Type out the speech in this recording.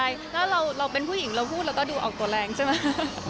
ใช่ถ้าเราเป็นผู้หญิงเราพูดเราก็ดูออกตัวแรงใช่ไหม